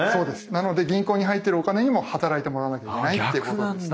なので銀行に入ってるお金にも働いてもらわなきゃいけないってことなんですね。